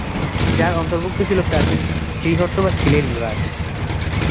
যার অন্তর্ভুক্ত ছিল প্রাচীন শ্রীহট্ট বা সিলেট বিভাগ।